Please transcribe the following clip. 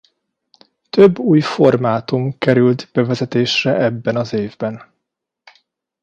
Több új formátum került bevezetésre ebben az évben.